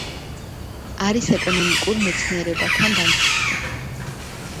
არის ეკონომიკურ მეცნიერებათა მაგისტრი.